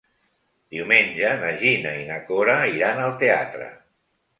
Diumenge na Gina i na Cora iran al teatre.